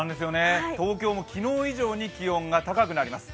東京も昨日以上に気温が高くなります。